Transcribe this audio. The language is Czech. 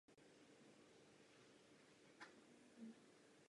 Víme, že toto není udržitelná situace.